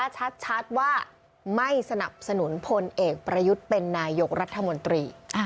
ชัดว่าไม่สนับสนุนพลเอกประยุทธ์เป็นนายกรัฐมนตรี